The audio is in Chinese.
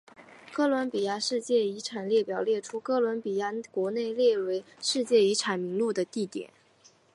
哥伦比亚世界遗产列表列出哥伦比亚国内列入世界遗产名录的地点。